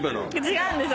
違うんです。